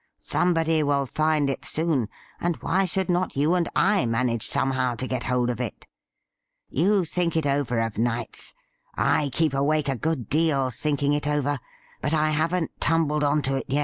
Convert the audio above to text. Somebody will find it soon, and why should not you and I manage somehow to get hold of it ? You think it over of nights. I keep awake a good deal thinking it over, but I haven't tumbled on to it yet.'